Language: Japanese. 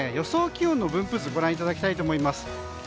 気温の分布図ご覧いただきたいと思います。